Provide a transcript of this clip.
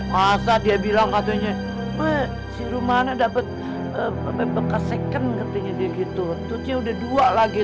masa dia bilang katanya si romana dapet bekas second katanya dia gitu tutnya udah dua lagi